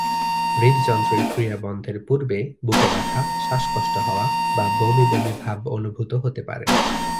হৃদযন্ত্রের ক্রিয়া বন্ধের পূর্বে বুকে ব্যথা, শ্বাসকষ্ট হওয়া বা বমি বমি ভাব অনুভূত হতে পারে।